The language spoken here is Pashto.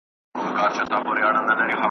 پر زکندن دي یادوم جانانه هېر مي نه کې .